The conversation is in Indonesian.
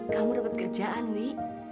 kamu dapat kerjaan wi